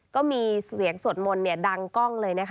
ก็มีเสียงสวดมนต์ดังกล้องเลยนะคะ